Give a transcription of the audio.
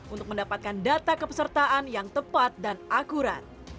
untuk mendapatkan data kepesertaan yang tepat dan akurat